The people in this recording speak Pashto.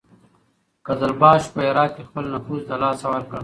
قزلباشو په هرات کې خپل نفوذ له لاسه ورکړ.